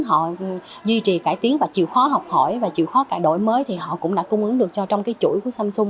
họ duy trì cải tiến và chịu khó học hỏi và chịu khó cải đổi mới thì họ cũng đã cung ứng được cho trong cái chuỗi của samsung